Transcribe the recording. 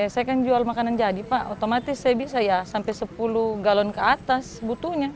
saya kan jual makanan jadi pak otomatis saya bisa ya sampai sepuluh galon ke atas butuhnya